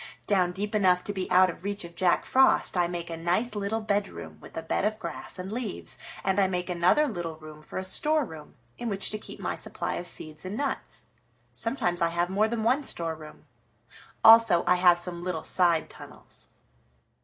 Down deep enough to be out of reach of Jack Frost I make a nice little bedroom with a bed of grass and leaves, and I make another little room for a storeroom in which to keep my supply of seeds and nuts. Sometimes I have more than one storeroom. Also I have some little side tunnels."